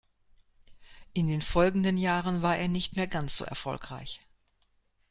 In den folgenden Jahren war er nicht mehr ganz so erfolgreich.